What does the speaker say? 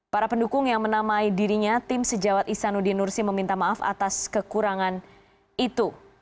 para pendukung yang menamai dirinya tim sejawat isanuddin nursi meminta maaf atas kekurangan itu